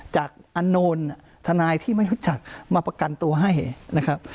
จากอโนนทนายที่ไม่รู้จักมาประกันตัวให้นะครับ